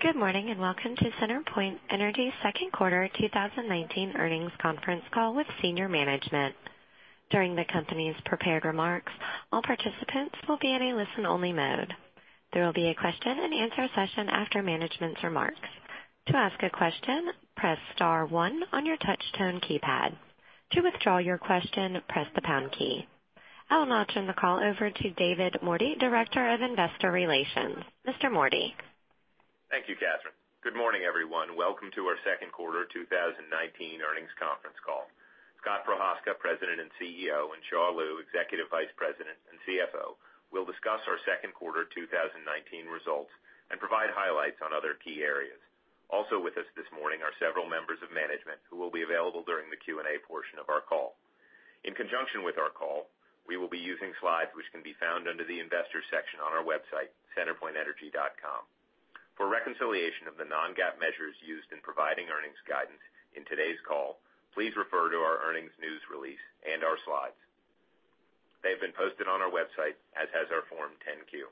Good morning, welcome to CenterPoint Energy's second quarter 2019 earnings conference call with senior management. During the company's prepared remarks, all participants will be in a listen-only mode. There will be a question and answer session after management's remarks. To ask a question, press star one on your touch-tone keypad. To withdraw your question, press the pound key. I will now turn the call over to David Mordy, Director of Investor Relations. Mr. Mordy. Thank you, Catherine. Good morning, everyone. Welcome to our second quarter 2019 earnings conference call. Scott Prochazka, President and CEO, and Xia Liu, Executive Vice President and CFO, will discuss our second quarter 2019 results and provide highlights on other key areas. Also with us this morning are several members of management who will be available during the Q&A portion of our call. In conjunction with our call, we will be using slides which can be found under the Investors section on our website, centerpointenergy.com. For reconciliation of the non-GAAP measures used in providing earnings guidance in today's call, please refer to our earnings news release and our slides. They have been posted on our website, as has our Form 10-Q.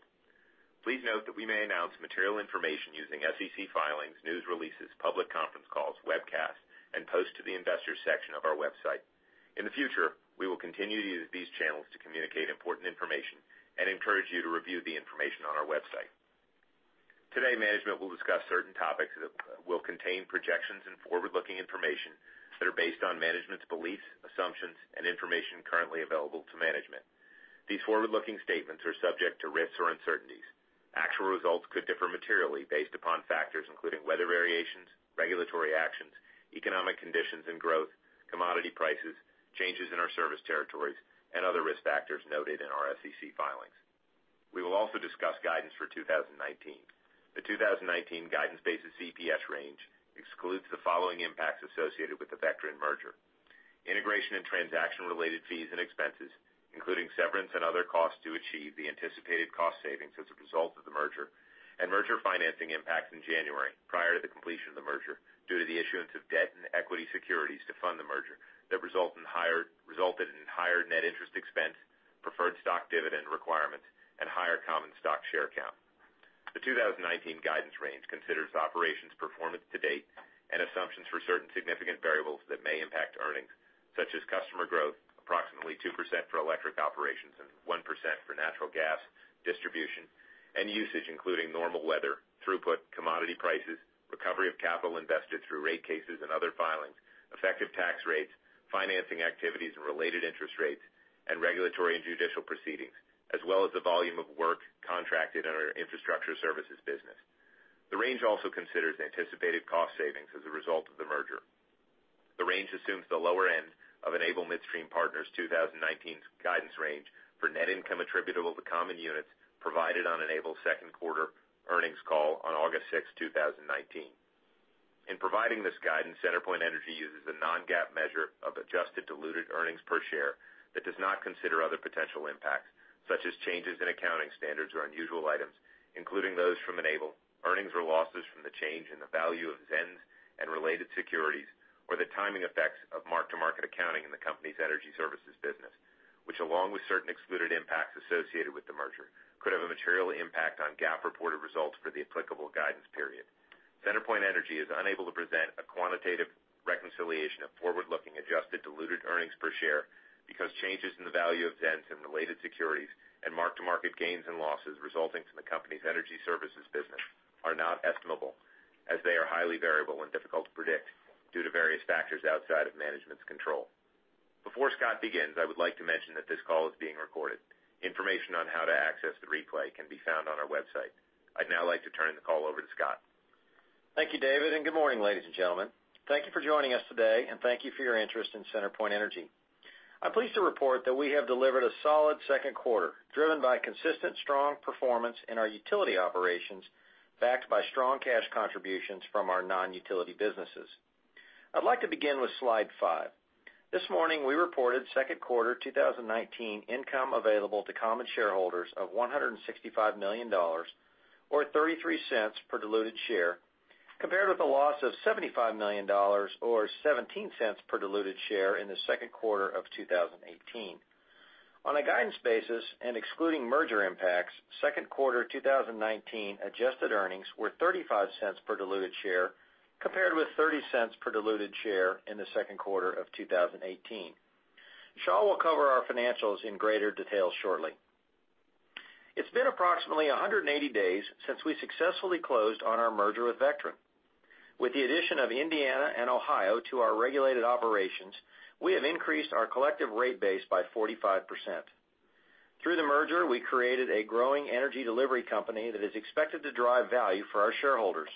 Please note that we may announce material information using SEC filings, news releases, public conference calls, webcasts, and posts to the Investors section of our website. In the future, we will continue to use these channels to communicate important information and encourage you to review the information on our website. Today, management will discuss certain topics that will contain projections and forward-looking information that are based on management's beliefs, assumptions, and information currently available to management. These forward-looking statements are subject to risks or uncertainties. Actual results could differ materially based upon factors including weather variations, regulatory actions, economic conditions and growth, commodity prices, changes in our service territories, and other risk factors noted in our SEC filings. We will also discuss guidance for 2019. The 2019 guidance-based EPS range excludes the following impacts associated with the Vectren merger: integration and transaction-related fees and expenses, including severance and other costs to achieve the anticipated cost savings as a result of the merger, and merger financing impacts in January prior to the completion of the merger due to the issuance of debt and equity securities to fund the merger that resulted in higher net interest expense, preferred stock dividend requirements, and higher common stock share count. The 2019 guidance range considers operations performance to date and assumptions for certain significant variables that may impact earnings, such as customer growth, approximately 2% for electric operations and 1% for natural gas distribution, and usage including normal weather, throughput, commodity prices, recovery of capital invested through rate cases and other filings, effective tax rates, financing activities and related interest rates, and regulatory and judicial proceedings, as well as the volume of work contracted in our Infrastructure Services business. The range also considers the anticipated cost savings as a result of the merger. The range assumes the lower end of Enable Midstream Partners' 2019 guidance range for net income attributable to common units provided on Enable's second quarter earnings call on August 6th, 2019. In providing this guidance, CenterPoint Energy uses a non-GAAP measure of adjusted diluted earnings per share that does not consider other potential impacts, such as changes in accounting standards or unusual items, including those from Enable, earnings or losses from the change in the value of ZENS and related securities, or the timing effects of mark-to-market accounting in the company's energy services business, which, along with certain excluded impacts associated with the merger, could have a material impact on GAAP-reported results for the applicable guidance period. CenterPoint Energy is unable to present a quantitative reconciliation of forward-looking adjusted diluted earnings per share because changes in the value of ZENS and related securities and mark-to-market gains and losses resulting from the company's energy services business are not estimable, as they are highly variable and difficult to predict due to various factors outside of management's control. Before Scott begins, I would like to mention that this call is being recorded. Information on how to access the replay can be found on our website. I'd now like to turn the call over to Scott. Thank you, David, and good morning, ladies and gentlemen. Thank you for joining us today, and thank you for your interest in CenterPoint Energy. I'm pleased to report that we have delivered a solid second quarter, driven by consistent strong performance in our utility operations, backed by strong cash contributions from our non-utility businesses. I'd like to begin with slide five. This morning, we reported second quarter 2019 income available to common shareholders of $165 million, or $0.33 per diluted share, compared with a loss of $75 million or $0.17 per diluted share in the second quarter of 2018. On a guidance basis and excluding merger impacts, second quarter 2019 adjusted earnings were $0.35 per diluted share, compared with $0.30 per diluted share in the second quarter of 2018. Xia will cover our financials in greater detail shortly. It's been approximately 180 days since we successfully closed on our merger with Vectren. With the addition of Indiana and Ohio to our regulated operations, we have increased our collective rate base by 45%. Through the merger, we created a growing energy delivery company that is expected to drive value for our shareholders.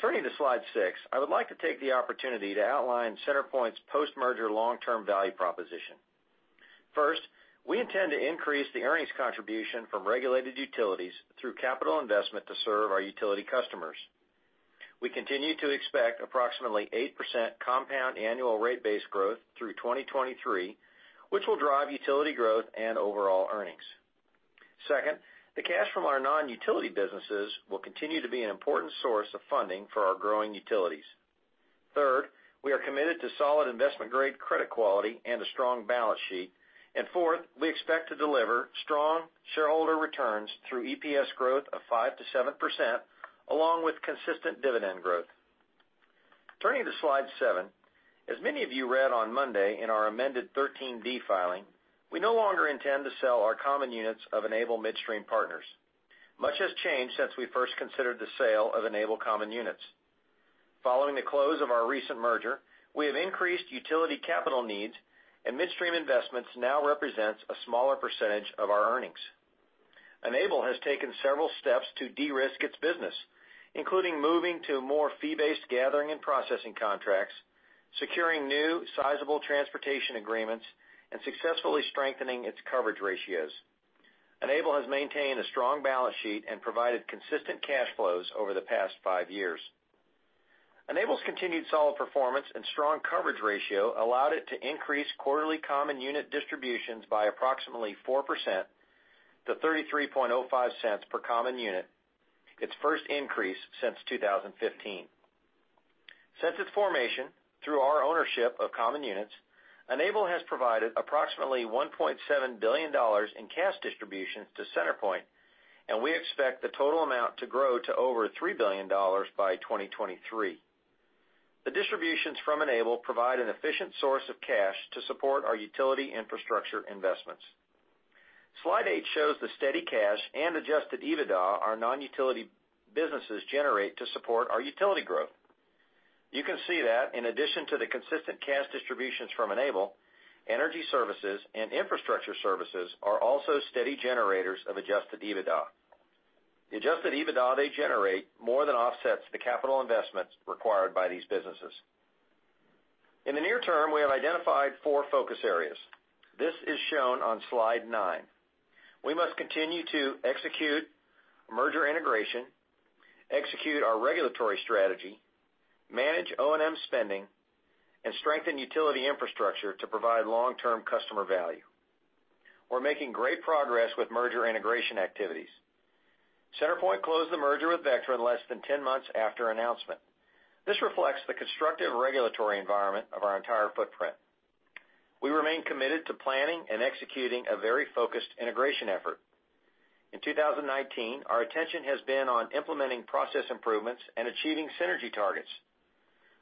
Turning to slide six, I would like to take the opportunity to outline CenterPoint's post-merger long-term value proposition. First, we intend to increase the earnings contribution from regulated utilities through capital investment to serve our utility customers. We continue to expect approximately 8% compound annual rate base growth through 2023, which will drive utility growth and overall earnings. Second, the cash from our non-utility businesses will continue to be an important source of funding for our growing utilities. Third, we are committed to solid investment-grade credit quality and a strong balance sheet. Fourth, we expect to deliver strong shareholder returns through EPS growth of 5% to 7%, along with consistent dividend growth. Turning to slide seven, as many of you read on Monday in our amended 13-D filing, we no longer intend to sell our common units of Enable Midstream Partners. Much has changed since we first considered the sale of Enable common units. Following the close of our recent merger, we have increased utility capital needs, and midstream investments now represents a smaller percentage of our earnings. Enable has taken several steps to de-risk its business, including moving to more fee-based gathering and processing contracts, securing new sizable transportation agreements, and successfully strengthening its coverage ratios. Enable has maintained a strong balance sheet and provided consistent cash flows over the past five years. Enable's continued solid performance and strong coverage ratio allowed it to increase quarterly common unit distributions by approximately 4% to $0.3305 per common unit, its first increase since 2015. Since its formation, through our ownership of common units, Enable has provided approximately $1.7 billion in cash distributions to CenterPoint, and we expect the total amount to grow to over $3 billion by 2023. The distributions from Enable provide an efficient source of cash to support our utility infrastructure investments. Slide eight shows the steady cash and adjusted EBITDA our non-utility businesses generate to support our utility growth. You can see that in addition to the consistent cash distributions from Enable, Energy Services and Infrastructure Services are also steady generators of adjusted EBITDA. The adjusted EBITDA they generate more than offsets the capital investments required by these businesses. In the near term, we have identified four focus areas. This is shown on slide nine. We must continue to execute merger integration, execute our regulatory strategy, manage O&M spending, and strengthen utility infrastructure to provide long-term customer value. We're making great progress with merger integration activities. CenterPoint closed the merger with Vectren less than 10 months after announcement. This reflects the constructive regulatory environment of our entire footprint. We remain committed to planning and executing a very focused integration effort. In 2019, our attention has been on implementing process improvements and achieving synergy targets.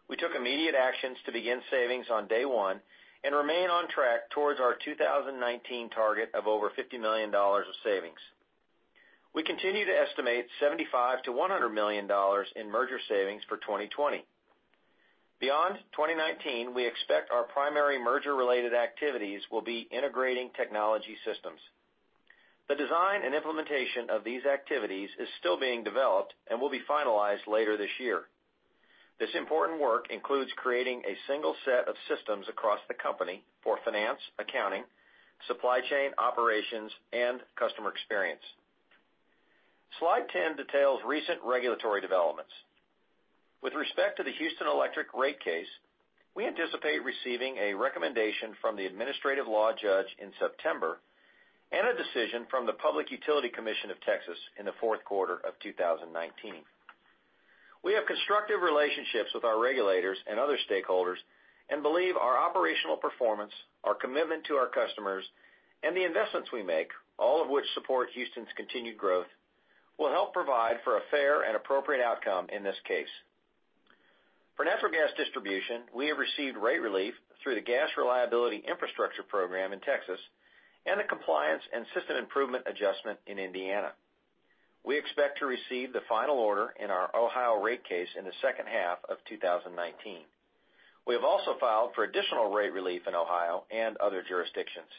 We took immediate actions to begin savings on day one and remain on track towards our 2019 target of over $50 million of savings. We continue to estimate $75 million-$100 million in merger savings for 2020. Beyond 2019, we expect our primary merger-related activities will be integrating technology systems. The design and implementation of these activities is still being developed and will be finalized later this year. This important work includes creating a single set of systems across the company for finance, accounting, supply chain operations, and customer experience. Slide 10 details recent regulatory developments. With respect to the Houston Electric rate case, we anticipate receiving a recommendation from the administrative law judge in September, and a decision from the Public Utility Commission of Texas in the fourth quarter of 2019. We have constructive relationships with our regulators and other stakeholders and believe our operational performance, our commitment to our customers, and the investments we make, all of which support Houston's continued growth, will help provide for a fair and appropriate outcome in this case. For natural gas distribution, we have received rate relief through the Gas Reliability Infrastructure Program in Texas and the Compliance and System Improvement Adjustment in Indiana. We expect to receive the final order in our Ohio rate case in the second half of 2019. We have also filed for additional rate relief in Ohio and other jurisdictions.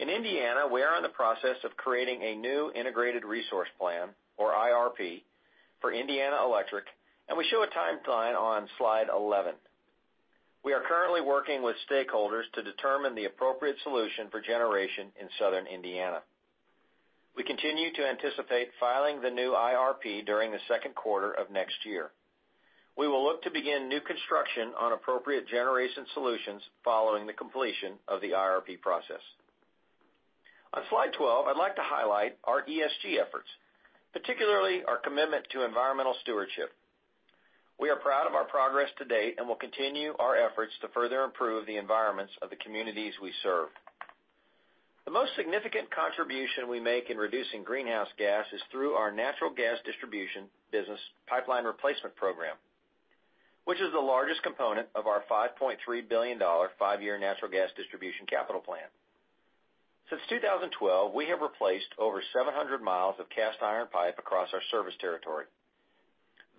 In Indiana, we are in the process of creating a new integrated resource plan, or IRP, for CenterPoint Energy Indiana South, and we show a timeline on slide 11. We are currently working with stakeholders to determine the appropriate solution for generation in Southern Indiana. We continue to anticipate filing the new IRP during the second quarter of next year. We will look to begin new construction on appropriate generation solutions following the completion of the IRP process. On slide 12, I'd like to highlight our ESG efforts, particularly our commitment to environmental stewardship. We are proud of our progress to date and will continue our efforts to further improve the environments of the communities we serve. The most significant contribution we make in reducing greenhouse gas is through our natural gas distribution business pipeline replacement program, which is the largest component of our $5.3 billion five-year natural gas distribution capital plan. Since 2012, we have replaced over 700 miles of cast iron pipe across our service territory.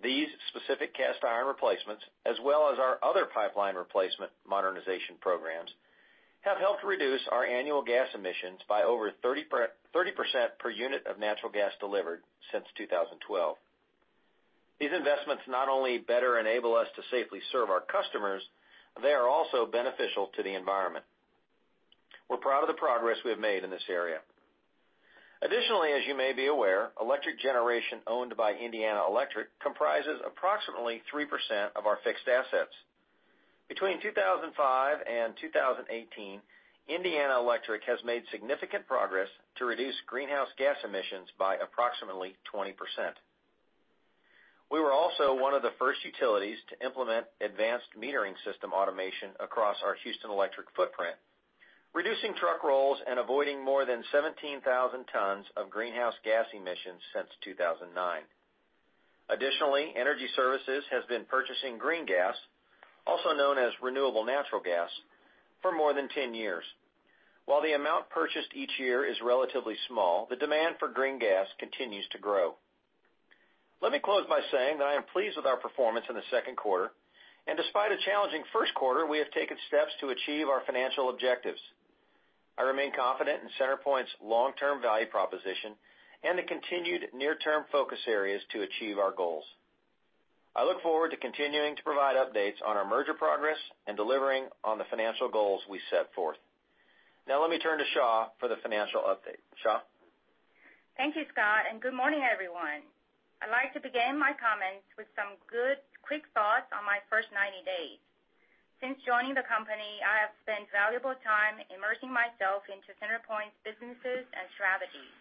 These specific cast iron replacements, as well as our other pipeline replacement modernization programs, have helped reduce our annual gas emissions by over 30% per unit of natural gas delivered since 2012. These investments not only better enable us to safely serve our customers, they are also beneficial to the environment. We're proud of the progress we have made in this area. Additionally, as you may be aware, electric generation owned by Indiana Electric comprises approximately 3% of our fixed assets. Between 2005 and 2018, Indiana Electric has made significant progress to reduce greenhouse gas emissions by approximately 20%. We were also one of the first utilities to implement advanced metering system automation across our Houston Electric footprint, reducing truck rolls and avoiding more than 17,000 tons of greenhouse gas emissions since 2009. Additionally, Energy Services has been purchasing green gas, also known as renewable natural gas, for more than 10 years. While the amount purchased each year is relatively small, the demand for green gas continues to grow. Let me close by saying that I am pleased with our performance in the second quarter, and despite a challenging first quarter, we have taken steps to achieve our financial objectives. I remain confident in CenterPoint's long-term value proposition and the continued near-term focus areas to achieve our goals. I look forward to continuing to provide updates on our merger progress and delivering on the financial goals we set forth. Now let me turn to Xia for the financial update. Xia? Thank you, Scott, and good morning, everyone. I'd like to begin my comments with some good quick thoughts on my first 90 days. Since joining the company, I have spent valuable time immersing myself into CenterPoint's businesses and strategies.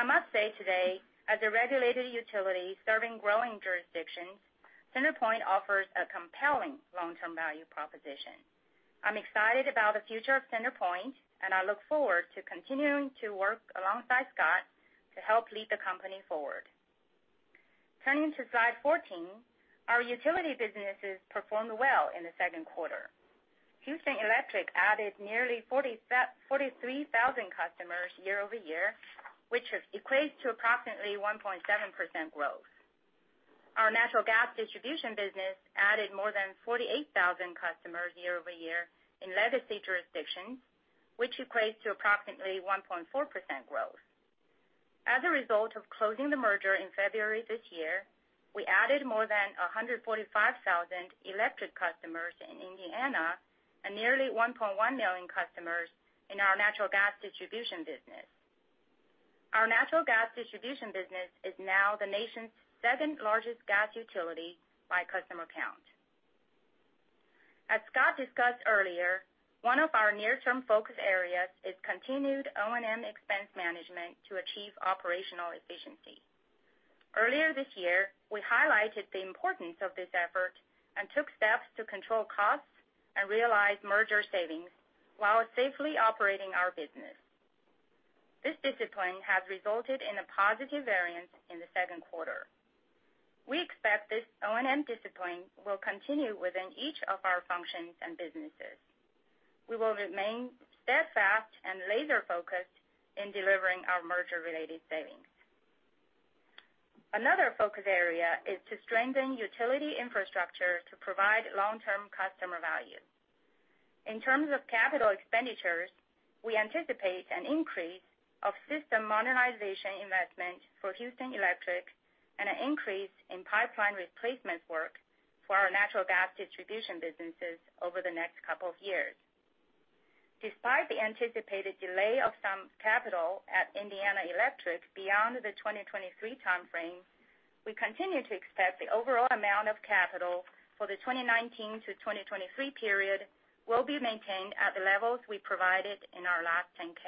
I must say today, as a regulated utility serving growing jurisdictions, CenterPoint offers a compelling long-term value proposition. I'm excited about the future of CenterPoint, and I look forward to continuing to work alongside Scott to help lead the company forward. Turning to slide 14, our utility businesses performed well in the second quarter. Houston Electric added nearly 43,000 customers year-over-year, which equates to approximately 1.7% growth. Our natural gas distribution business added more than 48,000 customers year-over-year in legacy jurisdictions, which equates to approximately 1.4% growth. As a result of closing the merger in February this year, we added more than 145,000 electric customers in Indiana and nearly 1.1 million customers in our natural gas distribution business. Our natural gas distribution business is now the nation's seventh-largest gas utility by customer count. As Scott discussed earlier, one of our near-term focus areas is continued O&M expense management to achieve operational efficiency. Earlier this year, we highlighted the importance of this effort and took steps to control costs and realize merger savings while safely operating our business. This discipline has resulted in a positive variance in the second quarter. We expect this O&M discipline will continue within each of our functions and businesses. We will remain steadfast and laser-focused in delivering our merger-related savings. Another focus area is to strengthen utility infrastructure to provide long-term customer value. In terms of capital expenditures, we anticipate an increase of system modernization investment for Houston Electric and an increase in pipeline replacement work for our natural gas distribution businesses over the next couple of years. Despite the anticipated delay of some capital at Indiana Electric beyond the 2023 timeframe, we continue to expect the overall amount of capital for the 2019 to 2023 period will be maintained at the levels we provided in our last 10-K.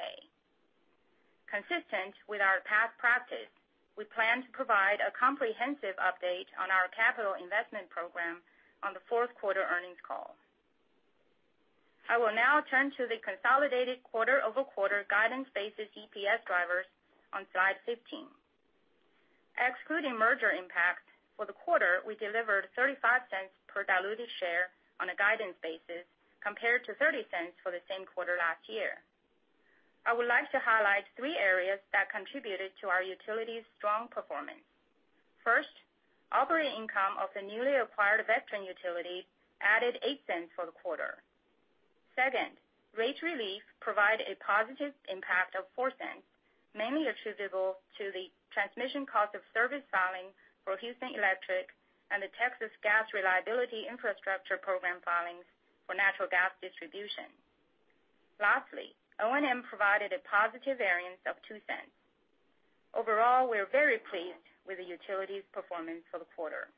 Consistent with our past practice, we plan to provide a comprehensive update on our capital investment program on the fourth quarter earnings call. I will now turn to the consolidated quarter-over-quarter guidance basis EPS drivers on slide 15. Excluding merger impact for the quarter, we delivered $0.35 per diluted share on a guidance basis compared to $0.30 for the same quarter last year. I would like to highlight three areas that contributed to our utility's strong performance. First, operating income of the newly acquired Vectren utility added $0.08 for the quarter. Second, rate relief provided a positive impact of $0.04, mainly attributable to the transmission cost of service filings for Houston Electric and the Texas Gas Reliability Infrastructure Program filings for natural gas distribution. Lastly, O&M provided a positive variance of $0.02. Overall, we are very pleased with the utility's performance for the quarter.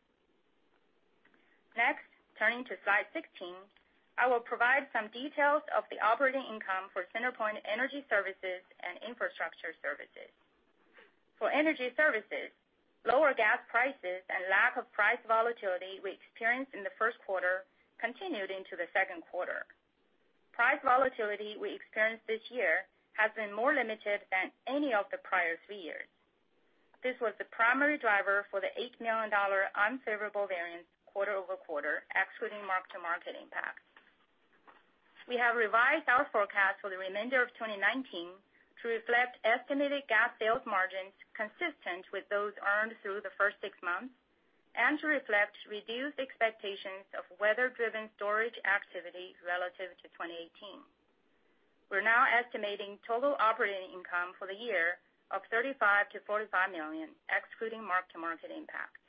Turning to slide 16, I will provide some details of the operating income for CenterPoint Energy Services and Infrastructure Services. For energy services, lower gas prices and lack of price volatility we experienced in the first quarter continued into the second quarter. Price volatility we experienced this year has been more limited than any of the prior three years. This was the primary driver for the $8 million unfavorable variance quarter-over-quarter, excluding mark-to-market impact. We have revised our forecast for the remainder of 2019 to reflect estimated gas sales margins consistent with those earned through the first six months and to reflect reduced expectations of weather-driven storage activity relative to 2018. We're now estimating total operating income for the year of $35 million-$45 million, excluding mark-to-market impact.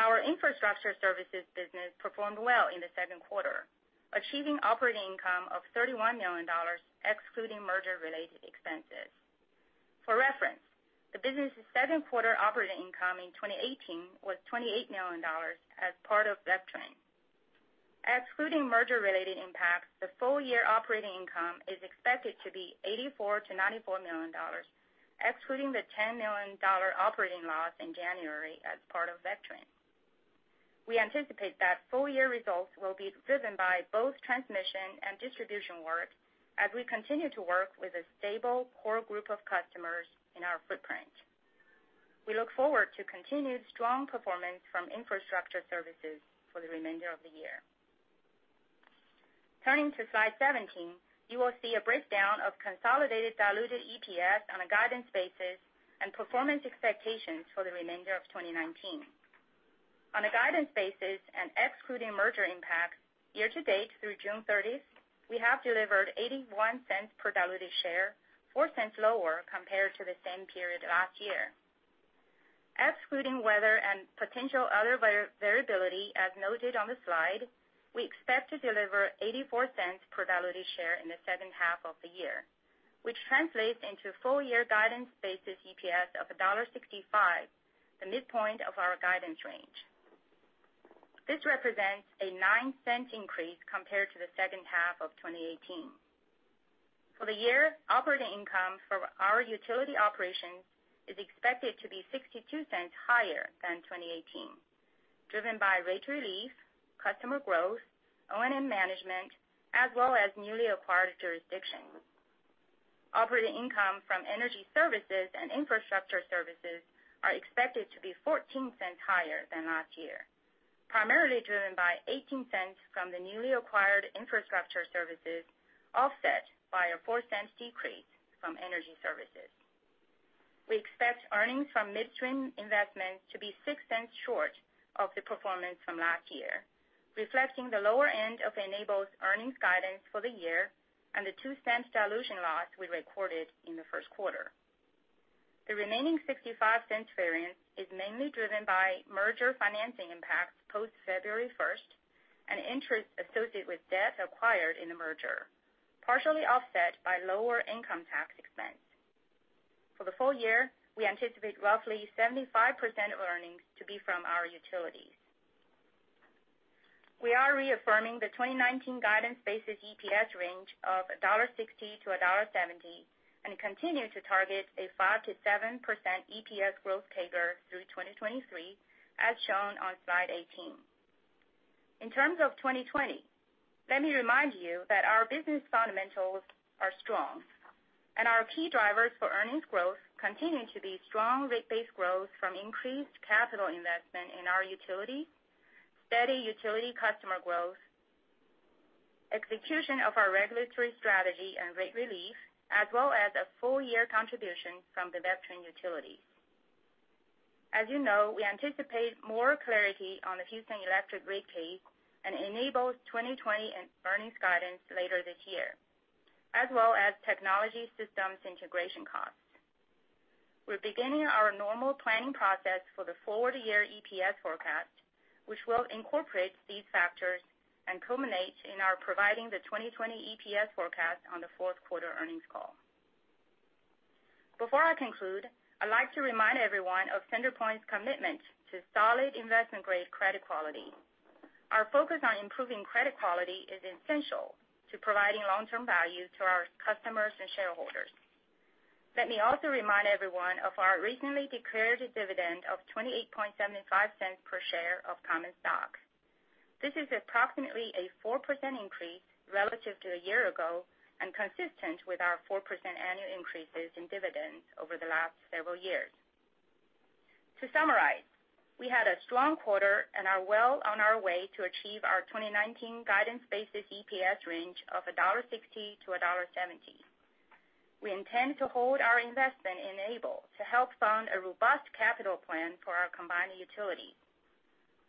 Our Infrastructure Services business performed well in the second quarter, achieving operating income of $31 million excluding merger-related expenses. For reference, the business's seven-quarter operating income in 2018 was $28 million as part of Vectren. Excluding merger-related impacts, the full-year operating income is expected to be $84 million-$94 million, excluding the $10 million operating loss in January as part of Vectren. We anticipate that full-year results will be driven by both transmission and distribution work as we continue to work with a stable core group of customers in our footprint. We look forward to continued strong performance from Infrastructure Services for the remainder of the year. Turning to slide 17, you will see a breakdown of consolidated diluted EPS on a guidance basis and performance expectations for the remainder of 2019. On a guidance basis and excluding merger impact, year-to-date through June 30th, we have delivered $0.81 per diluted share, $0.04 lower compared to the same period last year. Excluding weather and potential other variability as noted on the slide, we expect to deliver $0.84 per diluted share in the second half of the year, which translates into full-year guidance basis EPS of $1.65, the midpoint of our guidance range. This represents a $0.09 increase compared to the second half of 2018. For the year, operating income for our utility operations is expected to be $0.62 higher than 2018, driven by rate relief, customer growth, O&M management, as well as newly acquired jurisdictions. Operating income from Energy Services and Infrastructure Services are expected to be $0.14 higher than last year, primarily driven by $0.18 from the newly acquired Infrastructure Services, offset by a $0.04 decrease from Energy Services. We expect earnings from mid-stream investments to be $0.06 short of the performance from last year, reflecting the lower end of Enable's earnings guidance for the year and the $0.02 dilution loss we recorded in the first quarter. The remaining $0.65 variance is mainly driven by merger financing impacts post February 1st and interest associated with debt acquired in the merger, partially offset by lower income tax expense. For the full year, we anticipate roughly 75% earnings to be from our utilities. We are reaffirming the 2019 guidance basis EPS range of $1.60-$1.70 and continue to target a 5%-7% EPS growth CAGR through 2023, as shown on slide 18. In terms of 2020, let me remind you that our business fundamentals are strong, and our key drivers for earnings growth continue to be strong rate-based growth from increased capital investment in our utilities, steady utility customer growth, execution of our regulatory strategy and rate relief, as well as a full-year contribution from the Vectren utilities. As you know, we anticipate more clarity on the Houston Electric rate case and Enable's 2020 earnings guidance later this year, as well as technology systems integration costs. We're beginning our normal planning process for the forward-year EPS forecast, which will incorporate these factors and culminate in our providing the 2020 EPS forecast on the fourth quarter earnings call. Before I conclude, I'd like to remind everyone of CenterPoint's commitment to solid investment-grade credit quality. Our focus on improving credit quality is essential to providing long-term value to our customers and shareholders. Let me also remind everyone of our recently declared dividend of $0.2875 per share of common stock. This is approximately a 4% increase relative to a year ago and consistent with our 4% annual increases in dividends over the last several years. To summarize, we had a strong quarter and are well on our way to achieve our 2019 guidance-based EPS range of $1.60-$1.70. We intend to hold our investment in Enable to help fund a robust capital plan for our combined utility.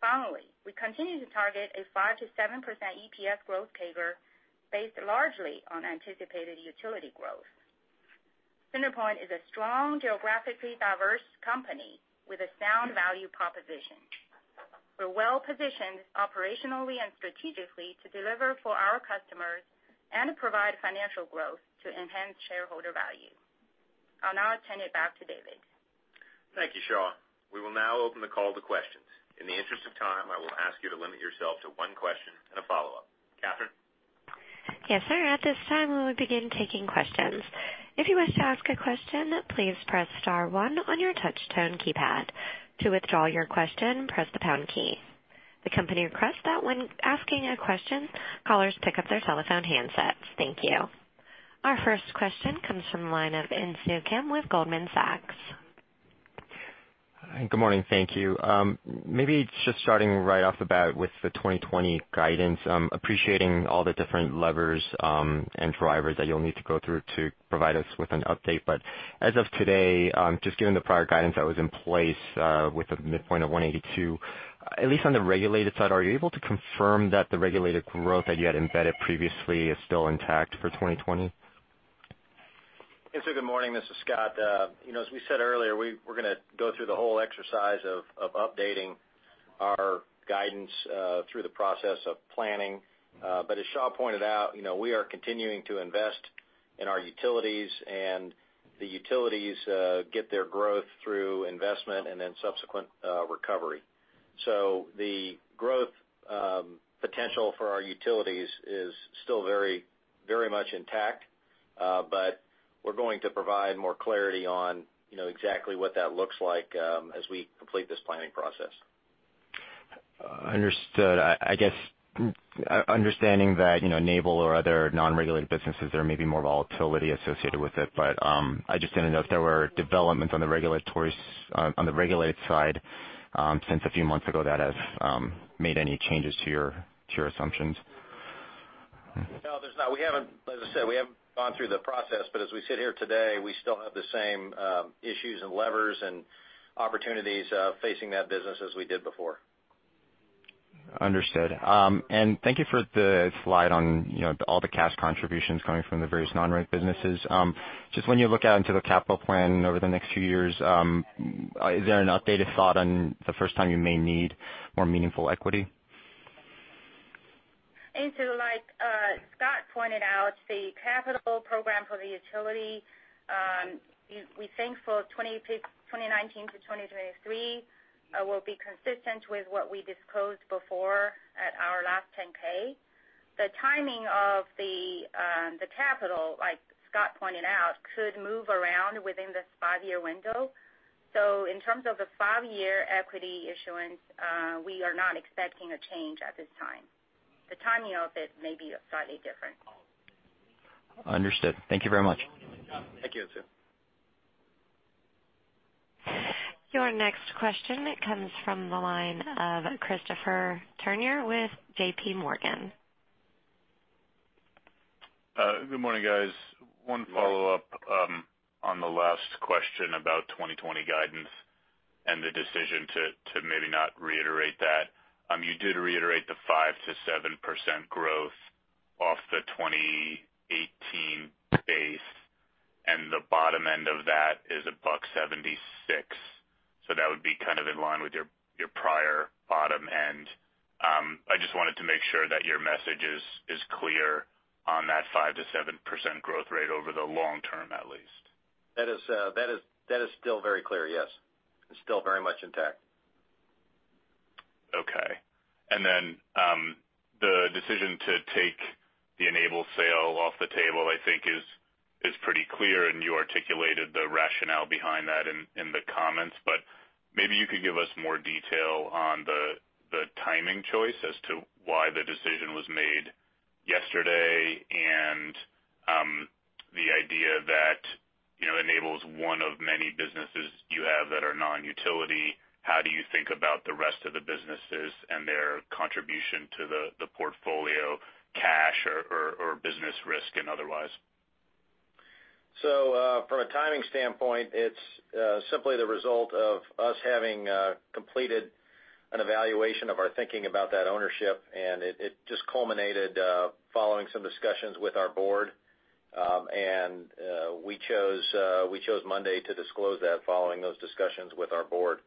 Finally, we continue to target a 5%-7% EPS growth CAGR based largely on anticipated utility growth. CenterPoint is a strong, geographically diverse company with a sound value proposition. We're well-positioned operationally and strategically to deliver for our customers and provide financial growth to enhance shareholder value. I'll now turn it back to David. Thank you, Xia. We will now open the call to questions. In the interest of time, I will ask you to limit yourself to one question and a follow-up. Catherine? Yes, sir. At this time, we will begin taking questions. If you wish to ask a question, please press star one on your touch-tone keypad. To withdraw your question, press the pound key. The company requests that when asking a question, callers pick up their telephone handsets. Thank you. Our first question comes from the line of Insoo Kim with Goldman Sachs. Good morning, thank you. Maybe just starting right off the bat with the 2020 guidance. Appreciating all the different levers and drivers that you'll need to go through to provide us with an update. As of today, just given the prior guidance that was in place with the midpoint of $182, at least on the regulated side, are you able to confirm that the regulated growth that you had embedded previously is still intact for 2020? Insoo, good morning. This is Scott. As we said earlier, we're going to go through the whole exercise of updating. Our guidance through the process of planning. As Xia pointed out, we are continuing to invest in our utilities, and the utilities get their growth through investment and then subsequent recovery. The growth potential for our utilities is still very much intact. We're going to provide more clarity on exactly what that looks like as we complete this planning process. Understood. I guess, understanding that Enable or other non-regulated businesses, there may be more volatility associated with it, but I just didn't know if there were developments on the regulated side since a few months ago that has made any changes to your assumptions. No, there's not. As I said, we haven't gone through the process, but as we sit here today, we still have the same issues and levers and opportunities facing that business as we did before. Understood. Thank you for the slide on all the cash contributions coming from the various non-reg businesses. Just when you look out into the capital plan over the next few years, is there an updated thought on the first time you may need more meaningful equity? Insoo, like Scott pointed out, the capital program for the utility, we think for 2019-2023 will be consistent with what we disclosed before at our last 10-K. The timing of the capital, like Scott pointed out, could move around within this five-year window. In terms of the five-year equity issuance, we are not expecting a change at this time. The timing of it may be slightly different. Understood. Thank you very much. Thank you, Insoo. Your next question comes from the line of Christopher Turnure with JPMorgan. Good morning, guys. One follow-up on the last question about 2020 guidance and the decision to maybe not reiterate that. You did reiterate the 5%-7% growth off the 2018 base, and the bottom end of that is $1.76. That would be kind of in line with your prior bottom end. I just wanted to make sure that your message is clear on that 5%-7% growth rate over the long term, at least. That is still very clear, yes. It's still very much intact. Okay. The decision to take the Enable sale off the table, I think is pretty clear, and you articulated the rationale behind that in the comments. Maybe you could give us more detail on the timing choice as to why the decision was made yesterday and the idea that Enable is one of many businesses you have that are non-utility. How do you think about the rest of the businesses and their contribution to the portfolio, cash or business risk and otherwise? From a timing standpoint, it's simply the result of us having completed an evaluation of our thinking about that ownership, and it just culminated following some discussions with our board. We chose Monday to disclose that following those discussions with our board.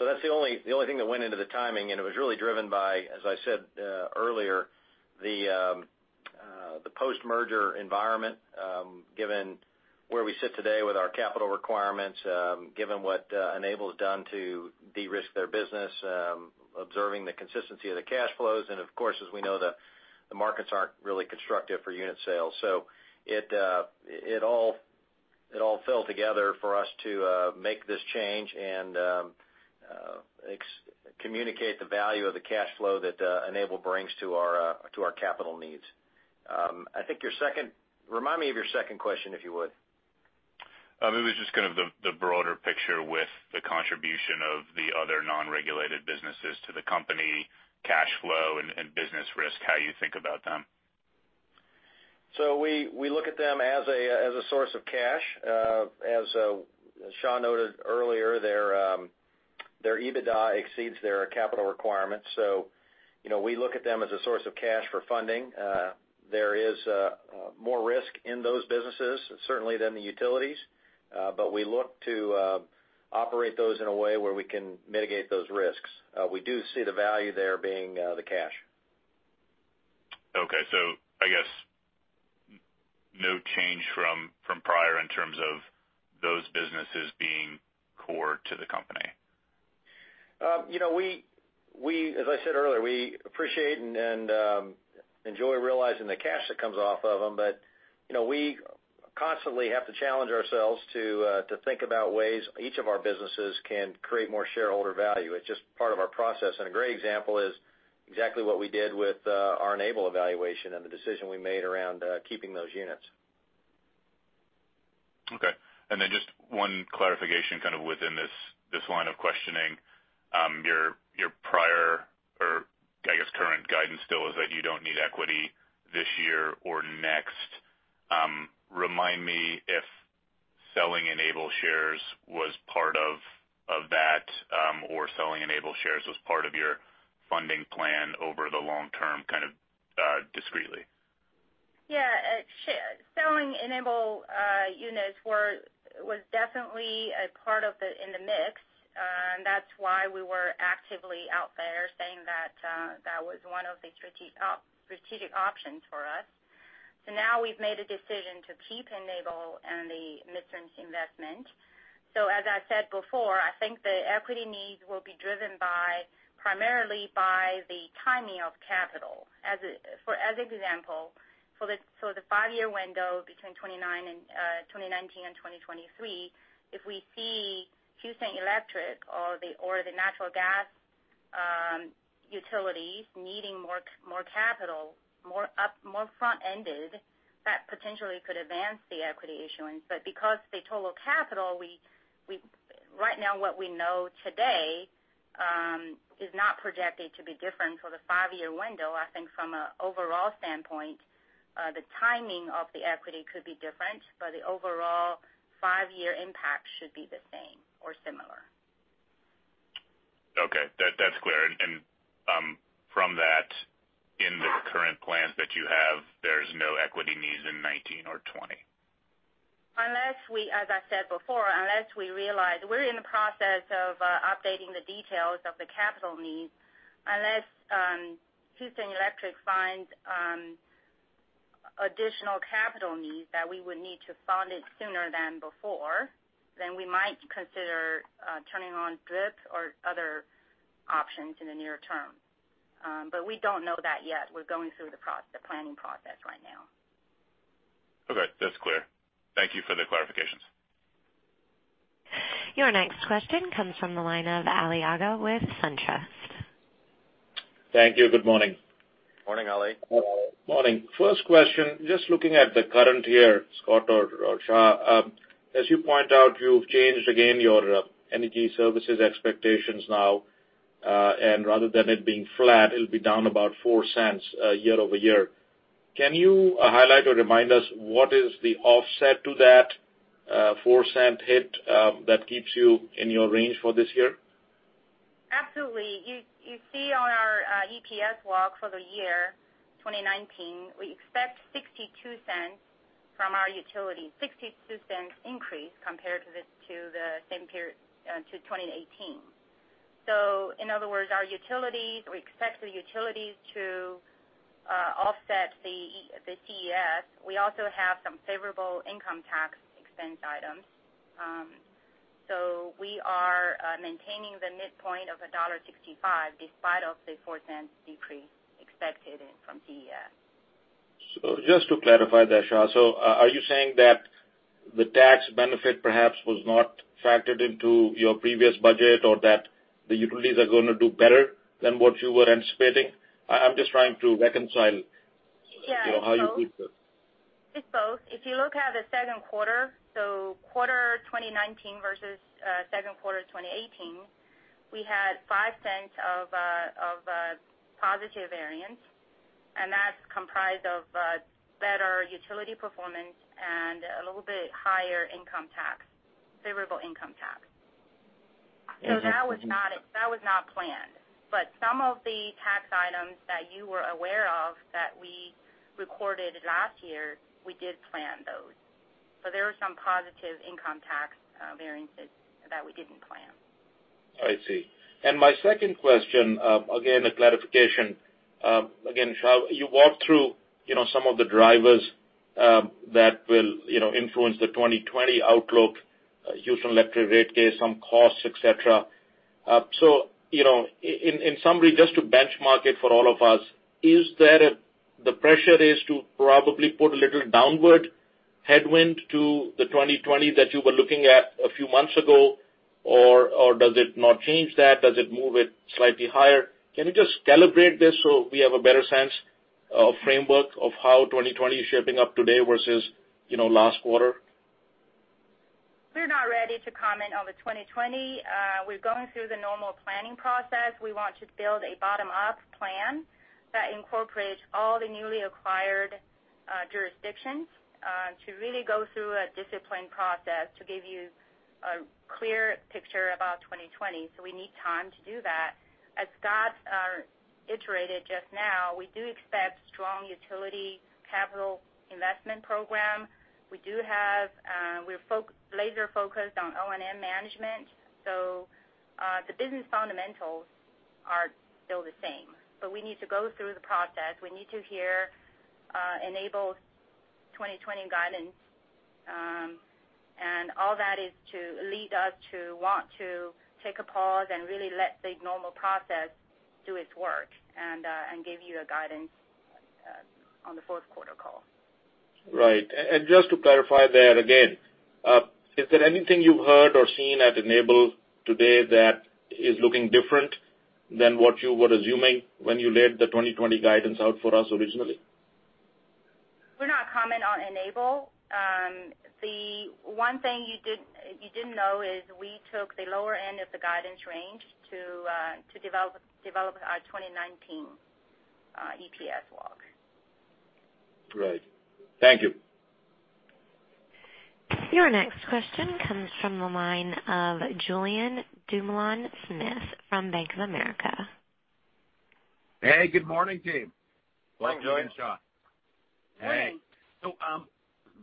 That's the only thing that went into the timing, and it was really driven by, as I said earlier, the post-merger environment, given where we sit today with our capital requirements, given what Enable has done to de-risk their business, observing the consistency of the cash flows, and of course, as we know, the markets aren't really constructive for unit sales. It all fell together for us to make this change and communicate the value of the cash flow that Enable brings to our capital needs. Remind me of your second question, if you would. It was just kind of the broader picture with the contribution of the other non-regulated businesses to the company cash flow and business risk, how you think about them. We look at them as a source of cash. As Xia noted earlier, their EBITDA exceeds their capital requirements, so we look at them as a source of cash for funding. There is more risk in those businesses, certainly, than the utilities. We look to operate those in a way where we can mitigate those risks. We do see the value there being the cash. Okay. I guess no change from prior in terms of those businesses being core to the company. As I said earlier, we appreciate and enjoy realizing the cash that comes off of them. We constantly have to challenge ourselves to think about ways each of our businesses can create more shareholder value. It's just part of our process. A great example is exactly what we did with our Enable evaluation and the decision we made around keeping those units. Okay. Just one clarification kind of within this line of questioning. Your prior or I guess current guidance still is that you don't need equity this year or next. Remind me if selling Enable shares was part of that or selling Enable shares was part of your funding plan over the long term kind of discreetly. Selling Enable units was definitely a part of it in the mix. That's why we were actively out there saying that was one of the strategic options for us. Now we've made a decision to keep Enable and the midstream's investment. As I said before, I think the equity needs will be driven primarily by the timing of capital. As an example, for the five-year window between 2019 and 2023, if we see Houston Electric or the natural gas utilities needing more capital, more front-ended, that potentially could advance the equity issuance. Because the total capital, right now what we know today, is not projected to be different for the five-year window. I think from an overall standpoint, the timing of the equity could be different, but the overall five-year impact should be the same or similar. Okay. That's clear. From that, in the current plans that you have, there's no equity needs in 2019 or 2020. As I said before, we're in the process of updating the details of the capital needs. Unless Houston Electric finds additional capital needs that we would need to fund it sooner than before, then we might consider turning on DRIPs or other options in the near term. But we don't know that yet. We're going through the planning process right now. Okay, that's clear. Thank you for the clarifications. Your next question comes from the line of Ali Agha with SunTrust. Thank you. Good morning. Morning, Ali. Morning. First question, just looking at the current year, Scott or Xia, as you point out, you've changed again your energy services expectations now, and rather than it being flat, it'll be down about $0.04 year-over-year. Can you highlight or remind us what is the offset to that $0.04 hit that keeps you in your range for this year? Absolutely. You see on our EPS walk for the year 2019, we expect $0.62 from our utility, $0.62 increase compared to 2018. In other words, we expect the utilities to offset the CES. We also have some favorable income tax expense items. We are maintaining the midpoint of $1.65 despite the $0.04 decrease expected from CES. Just to clarify that, Xia. Are you saying that the tax benefit perhaps was not factored into your previous budget or that the utilities are going to do better than what you were anticipating? I'm just trying to reconcile how you did this. It's both. If you look at the second quarter 2019 versus second quarter 2018, we had $0.05 of a positive variance, that's comprised of better utility performance and a little bit higher income tax, favorable income tax. That was not planned. Some of the tax items that you were aware of that we recorded last year, we did plan those. There were some positive income tax variances that we didn't plan. I see. My second question, again, a clarification. Again, Xia, you walked through some of the drivers that will influence the 2020 outlook, Houston Electric rate case, some costs, et cetera. In summary, just to benchmark it for all of us, is that the pressure is to probably put a little downward headwind to the 2020 that you were looking at a few months ago? Does it not change that? Does it move it slightly higher? Can you just calibrate this so we have a better sense of framework of how 2020 is shaping up today versus last quarter? We're not ready to comment on the 2020. We're going through the normal planning process. We want to build a bottom-up plan that incorporates all the newly acquired jurisdictions to really go through a disciplined process to give you a clear picture about 2020. We need time to do that. As Scott iterated just now, we do expect strong utility capital investment program. We're laser-focused on O&M management, so the business fundamentals are still the same. We need to go through the process. We need to hear Enable's 2020 guidance. All that is to lead us to want to take a pause and really let the normal process do its work and give you a guidance on the fourth quarter call. Right. Just to clarify there again, is there anything you've heard or seen at Enable today that is looking different than what you were assuming when you laid the 2020 guidance out for us originally? We'll not comment on Enable. The one thing you didn't know is we took the lower end of the guidance range to develop our 2019 EPS walk. Right. Thank you. Your next question comes from the line of Julien Dumoulin-Smith from Bank of America. Hey, good morning, team. Morning, Julien. Hey. Morning.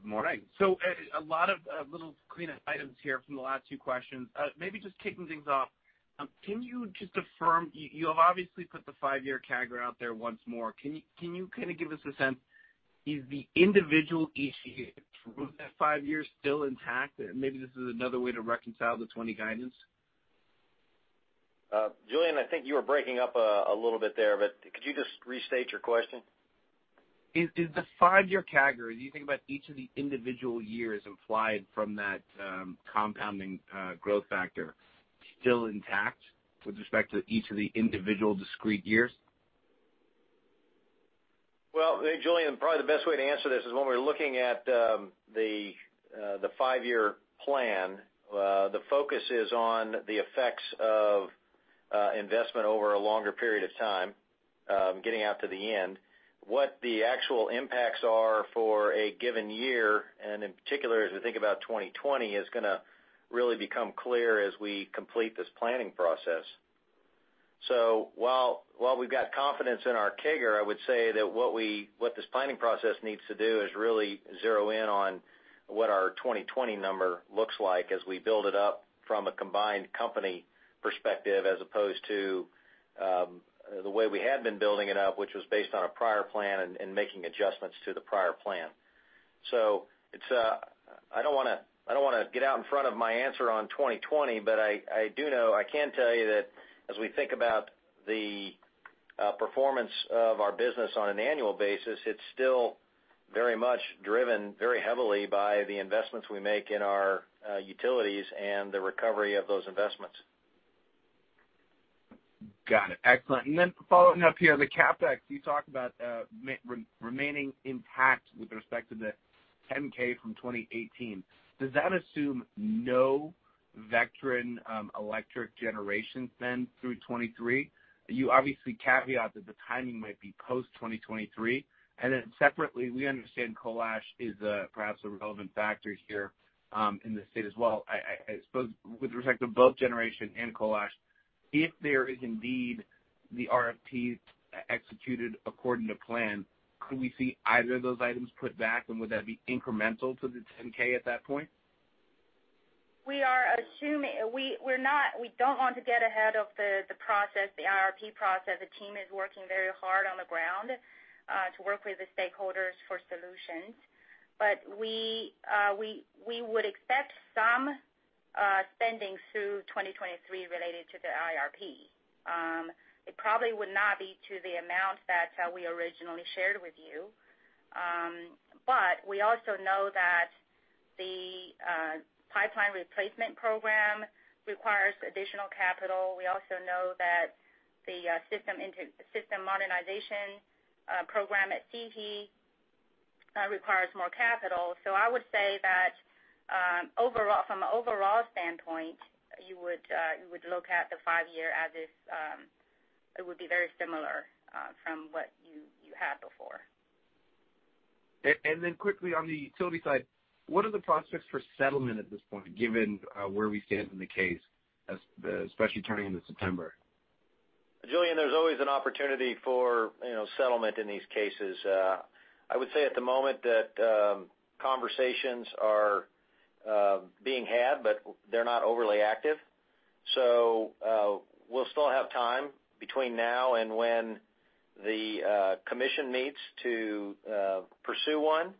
Morning. A lot of little cleanup items here from the last two questions. Maybe just kicking things off, can you just affirm, you have obviously put the five-year CAGR out there once more. Can you kind of give us a sense, is the individual issue through that five years still intact? Maybe this is another way to reconcile the 2020 guidance. Julien, I think you were breaking up a little bit there, but could you just restate your question? Is the five-year CAGR, as you think about each of the individual years implied from that compounding growth factor, still intact with respect to each of the individual discrete years? Well, I think, Julien, probably the best way to answer this is when we're looking at the five-year plan, the focus is on the effects of investment over a longer period of time, getting out to the end. What the actual impacts are for a given year, and in particular, as we think about 2020, is going to really become clear as we complete this planning process. While we've got confidence in our CAGR, I would say that what this planning process needs to do is really zero in on what our 2020 number looks like as we build it up from a combined company perspective as opposed to the way we had been building it up, which was based on a prior plan and making adjustments to the prior plan. I don't want to get out in front of my answer on 2020, but I can tell you that as we think about the performance of our business on an annual basis, it's still very much driven very heavily by the investments we make in our utilities and the recovery of those investments. Got it. Excellent. Following up here, the CapEx, you talked about remaining impact with respect to the 10-K from 2018. Does that assume no Vectren electric generation spend through 2023? You obviously caveat that the timing might be post-2023. Separately, we understand Coal Ash is perhaps a relevant factor here in the state as well. I suppose with respect to both generation and Coal Ash, if there is indeed the RFPs executed according to plan, could we see either of those items put back, and would that be incremental to the 10-K at that point? We don't want to get ahead of the process, the IRP process. The team is working very hard on the ground to work with the stakeholders for solutions. We would expect some spending through 2023 related to the IRP. It probably would not be to the amount that we originally shared with you. We also know that the pipeline replacement program requires additional capital. We also know that the system modernization program at CIG requires more capital. I would say that from an overall standpoint, you would look at the five-year as if it would be very similar from what you had before. Quickly on the utility side, what are the prospects for settlement at this point, given where we stand in the case, especially turning into September? Julien, there's always an opportunity for settlement in these cases. I would say at the moment that conversations are being had, but they're not overly active. We'll still have time between now and when the commission meets to pursue one.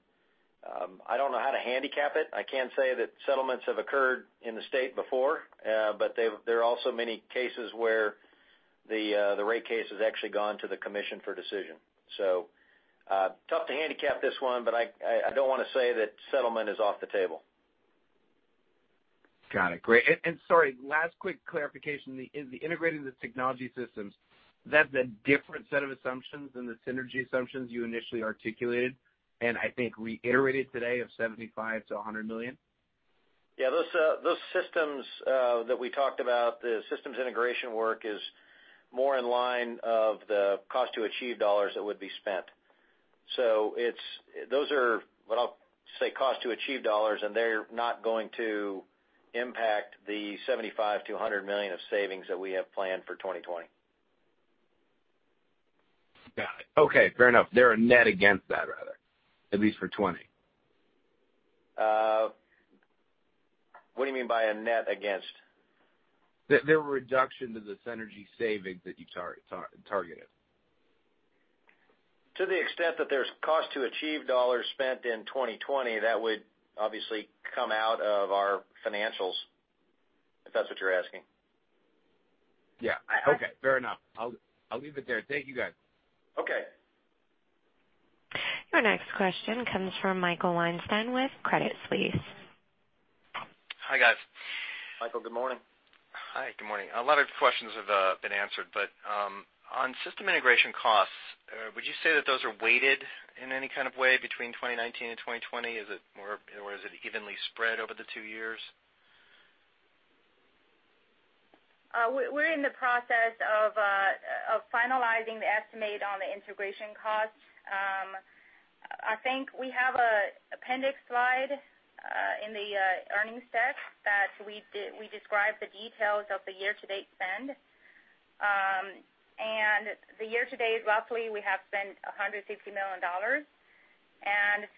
I don't know how to handicap it. I can say that settlements have occurred in the state before. There are also many cases where the rate case has actually gone to the commission for decision. Tough to handicap this one, but I don't want to say that settlement is off the table. Got it. Great. Sorry, last quick clarification. In the integrating the technology systems, that's a different set of assumptions than the synergy assumptions you initially articulated, and I think reiterated today of $75 million-$100 million? Yeah, those systems that we talked about, the systems integration work is more in line of the cost to achieve dollars that would be spent. Those are what I'll say cost to achieve dollars, and they're not going to impact the $75 million-$100 million of savings that we have planned for 2020. Got it. Okay, fair enough. They're a net against that, rather, at least for 2020. What do you mean by a net against? They're a reduction to the synergy savings that you targeted. To the extent that there's cost to achieve dollars spent in 2020, that would obviously come out of our financials, if that's what you're asking. Yeah. Okay, fair enough. I'll leave it there. Thank you, guys. Okay. Your next question comes from Michael Weinstein with Credit Suisse. Hi, guys. Michael, good morning. Hi, good morning. A lot of questions have been answered. On system integration costs, would you say that those are weighted in any kind of way between 2019 and 2020? Is it evenly spread over the two years? We're in the process of finalizing the estimate on the integration costs. I think we have a appendix slide in the earnings deck that we describe the details of the year-to-date spend. The year-to-date, roughly we have spent $160 million.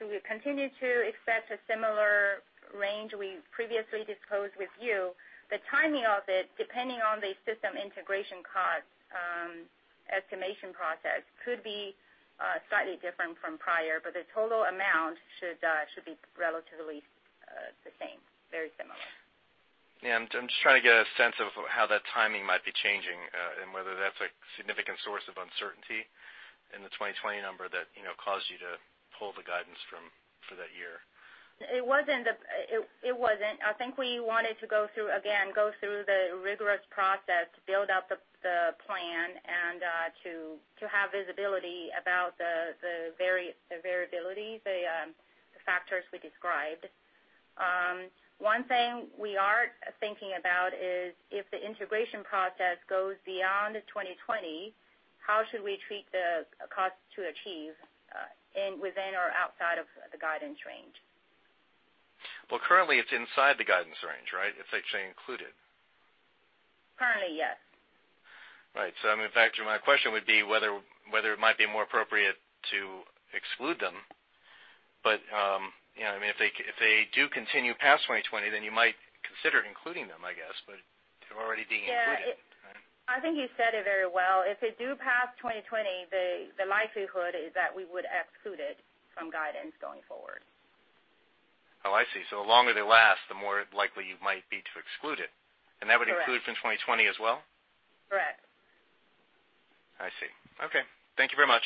We continue to expect a similar range we previously disclosed with you. The timing of it, depending on the system integration cost estimation process, could be slightly different from prior, but the total amount should be relatively the same, very similar. Yeah, I'm just trying to get a sense of how that timing might be changing, and whether that's a significant source of uncertainty in the 2020 number that caused you to pull the guidance for that year? It wasn't. I think we wanted to, again, go through the rigorous process, build out the plan, and to have visibility about the variability, the factors we described. One thing we are thinking about is if the integration process goes beyond 2020, how should we treat the cost to achieve within or outside of the guidance range? Well, currently it's inside the guidance range, right? It's actually included. Currently, yes. Right. In fact, my question would be whether it might be more appropriate to exclude them. If they do continue past 2020, then you might consider including them, I guess, but they're already being included. Yeah. Right. I think you said it very well. If they do pass 2020, the likelihood is that we would exclude it from guidance going forward. Oh, I see. The longer they last, the more likely you might be to exclude it. Correct. That would include for 2020 as well? Correct. I see. Okay. Thank you very much.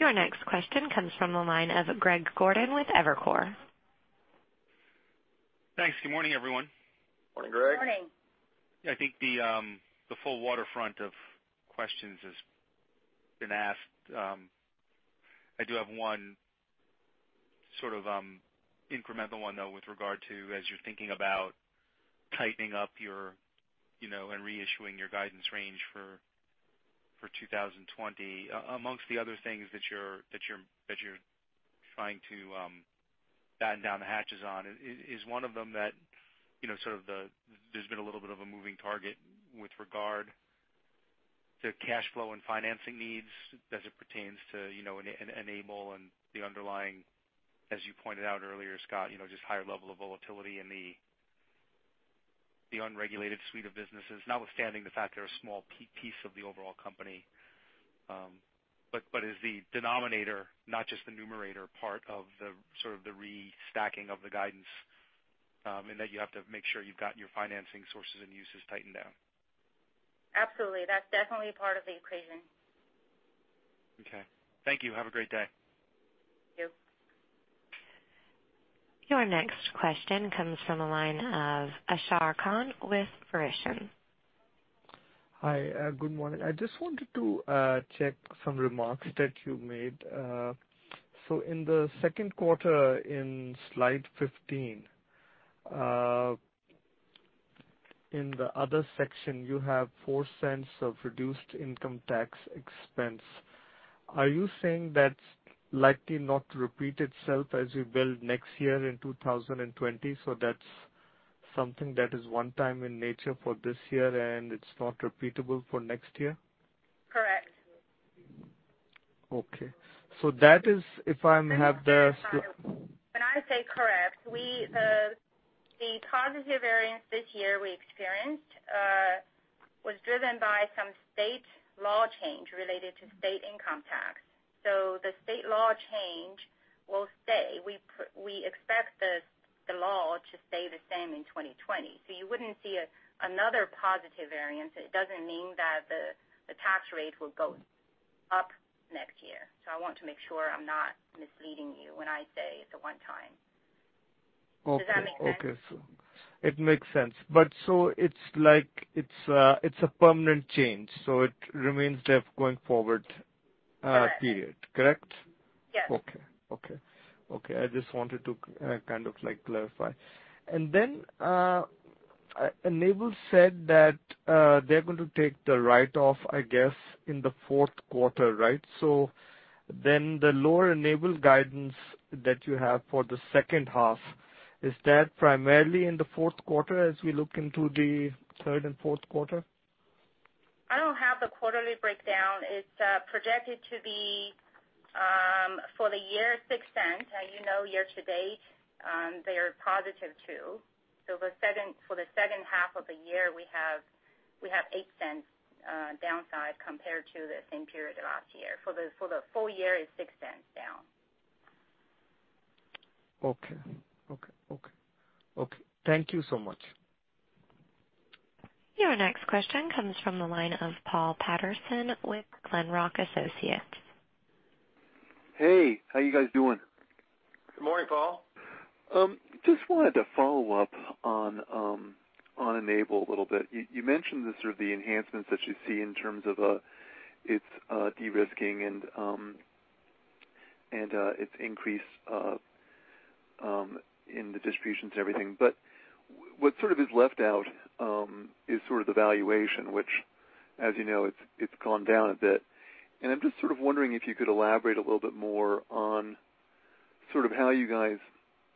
Your next question comes from the line of Greg Gordon with Evercore. Thanks. Good morning, everyone. Morning, Greg. Morning. I think the full waterfront of questions has been asked. I do have one sort of incremental one, though, with regard to, as you're thinking about tightening up and reissuing your guidance range for 2020. Amongst the other things that you're trying to batten down the hatches on, is one of them that there's been a little bit of a moving target with regard to cash flow and financing needs as it pertains to Enable and the underlying, as you pointed out earlier, Scott, just higher level of volatility in the unregulated suite of businesses. Notwithstanding the fact they're a small piece of the overall company. Is the denominator, not just the numerator, part of the sort of the restacking of the guidance, in that you have to make sure you've got your financing sources and uses tightened down? Absolutely. That's definitely part of the equation. Okay. Thank you. Have a great day. Thank you. Your next question comes from the line of Ashar Khan with Verition. Hi, good morning. I just wanted to check some remarks that you made. In the second quarter, in slide 15, in the other section, you have $0.04 of reduced income tax expense. Are you saying that's likely not to repeat itself as you build next year in 2020, so that's something that is one time in nature for this year, and it's not repeatable for next year? Correct. Okay. When I say correct, the positive variance this year we experienced was driven by some state law change related to state income tax. The state law change will stay. We expect the law to stay the same in 2020. You wouldn't see another positive variance. It doesn't mean that the tax rate will go up next year. I want to make sure I'm not misleading you when I say it's a one-time. Okay. Does that make sense? It makes sense. It's a permanent change, so it remains there going forward. Correct period. Correct? Yes. Okay. I just wanted to kind of clarify. Enable said that they're going to take the write-off, I guess, in the fourth quarter, right? The lower Enable guidance that you have for the second half, is that primarily in the fourth quarter as we look into the third and fourth quarter? I don't have the quarterly breakdown. It's projected to be, for the year, $0.06. You know year-to-date, they are positive too. For the second half of the year, we have $0.08 downside compared to the same period last year. For the full year, it's $0.06 down. Okay. Thank you so much. Your next question comes from the line of Paul Patterson with Glenrock Associates. Hey, how you guys doing? Good morning, Paul. Just wanted to follow up on Enable a little bit. You mentioned the sort of the enhancements that you see in terms of its de-risking and its increase in the distributions and everything. What is left out is the valuation, which as you know, it's gone down a bit. I'm just wondering if you could elaborate a little bit more on how you guys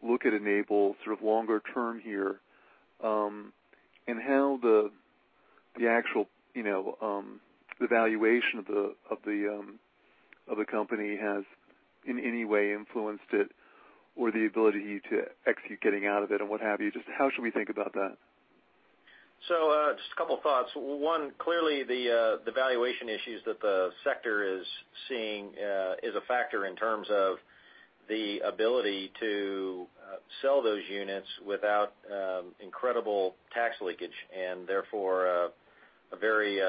look at Enable longer-term here, and how the valuation of the company has in any way influenced it, or the ability to execute getting out of it, and what have you. Just how should we think about that? Just a couple thoughts. Clearly the valuation issues that the sector is seeing is a factor in terms of the ability to sell those units without incredible tax leakage, and therefore, a very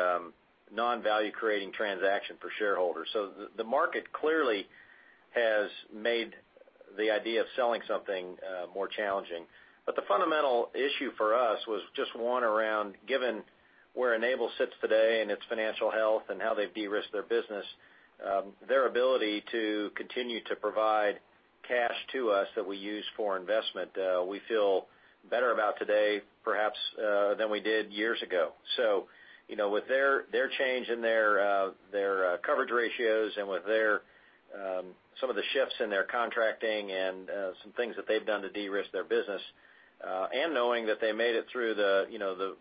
non-value-creating transaction for shareholders. The market clearly has made the idea of selling something more challenging. The fundamental issue for us was just one around given where Enable sits today and its financial health and how they've de-risked their business, their ability to continue to provide cash to us that we use for investment, we feel better about today, perhaps, than we did years ago, with their change in their coverage ratios and with some of the shifts in their contracting and some things that they've done to de-risk their business, and knowing that they made it through the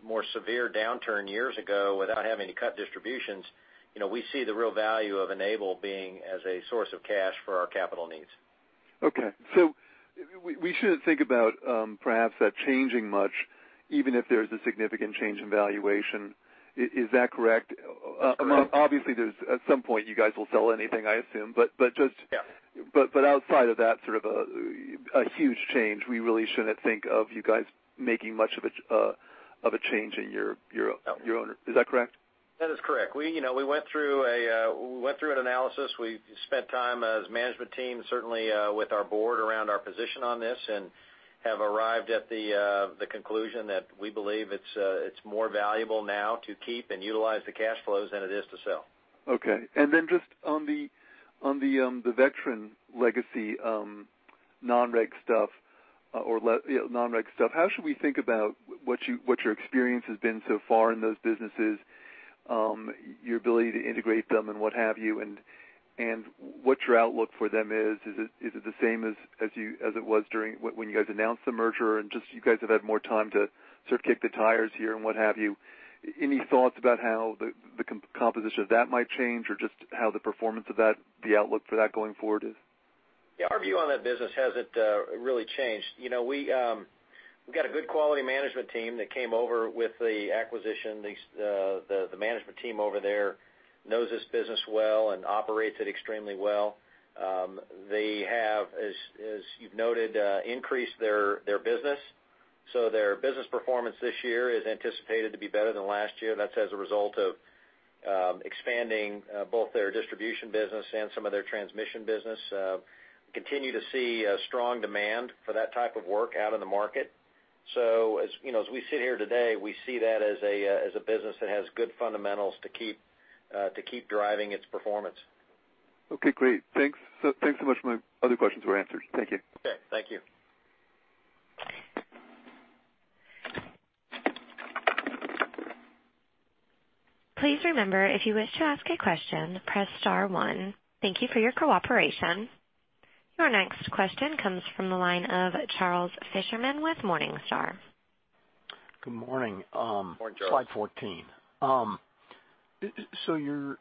more severe downturn years ago without having to cut distributions. We see the real value of Enable being as a source of cash for our capital needs. Okay. We shouldn't think about perhaps that changing much, even if there's a significant change in valuation, is that correct? Correct. Obviously, at some point you guys will sell anything, I assume. Yeah. Outside of that sort of a huge change, we really shouldn't think of you guys making much of a change in your owner. Is that correct? That is correct. We went through an analysis. We spent time as management team, certainly, with our board around our position on this, and have arrived at the conclusion that we believe it's more valuable now to keep and utilize the cash flows than it is to sell. Okay. Just on the Vectren legacy non-reg stuff. How should we think about what your experience has been so far in those businesses, your ability to integrate them and what have you, and what your outlook for them is? Is it the same as it was when you guys announced the merger and just you guys have had more time to sort of kick the tires here and what have you? Any thoughts about how the composition of that might change or just how the performance of that, the outlook for that going forward is? Yeah. Our view on that business hasn't really changed. We got a good quality management team that came over with the acquisition. The management team over there knows this business well and operates it extremely well. They have, as you've noted, increased their business. Their business performance this year is anticipated to be better than last year. That's as a result of expanding both their distribution business and some of their transmission business. We continue to see strong demand for that type of work out in the market. As we sit here today, we see that as a business that has good fundamentals to keep driving its performance. Okay, great. Thanks so much. My other questions were answered. Thank you. Okay. Thank you. Please remember, if you wish to ask a question, press star one. Thank you for your cooperation. Your next question comes from the line of Charles Fishman with Morningstar. Good morning. Good morning, Charles. Slide 14. The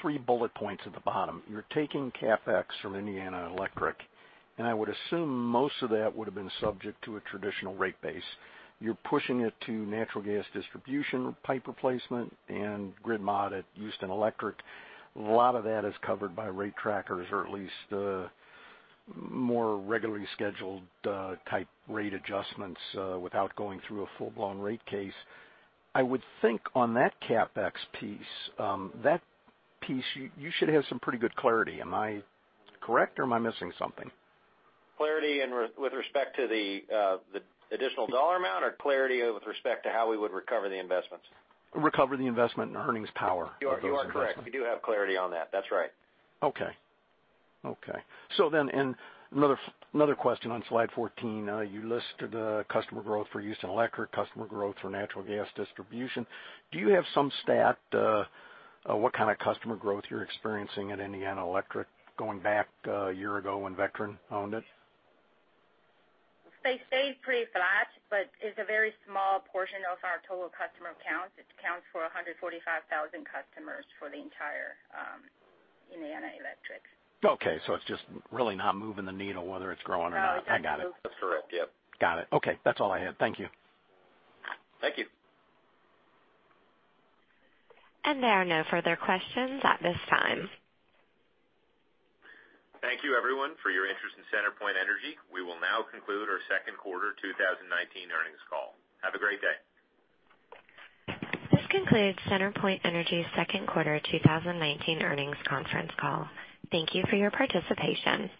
three bullet points at the bottom. You're taking CapEx from Indiana Electric, and I would assume most of that would've been subject to a traditional rate base. You're pushing it to natural gas distribution, pipe replacement, and grid mod at Houston Electric. A lot of that is covered by rate trackers, or at least more regularly scheduled type rate adjustments without going through a full-blown rate case. I would think on that CapEx piece, you should have some pretty good clarity. Am I correct or am I missing something? Clarity with respect to the additional dollar amount or clarity with respect to how we would recover the investments? Recover the investment in earnings power. You are correct. We do have clarity on that. That's right. In another question on slide 14. You listed the customer growth for Houston Electric, customer growth for natural gas distribution. Do you have some stat, what kind of customer growth you're experiencing at Indiana Electric going back a year ago when Vectren owned it? They stayed pretty flat. It's a very small portion of our total customer count. It accounts for 145,000 customers for the entire Indiana Electric. It's just really not moving the needle, whether it's growing or not. No. I got it. That's correct. Yep. Got it. Okay. That's all I had. Thank you. Thank you. There are no further questions at this time. Thank you everyone for your interest in CenterPoint Energy. We will now conclude our second quarter 2019 earnings call. Have a great day. This concludes CenterPoint Energy's second quarter 2019 earnings conference call. Thank you for your participation.